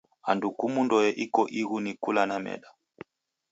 Andu kumu ndoe iko ighu ni kula na meda.